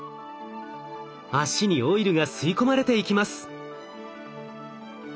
脚にオイルが吸い込まれていきます。